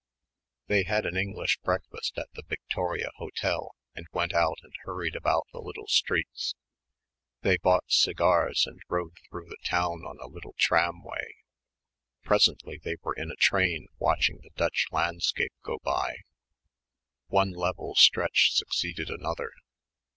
They had an English breakfast at the Victoria Hotel and went out and hurried about the little streets. They bought cigars and rode through the town on a little tramway. Presently they were in a train watching the Dutch landscape go by. One level stretch succeeded another.